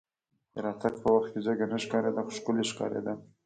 د راتګ په وخت کې جګه نه ښکارېده خو ښکلې ښکارېده.